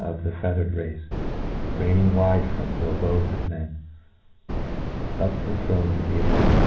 • of the feathered race, reigning wide from the ;abodes of men^ up to thrones of the immortaj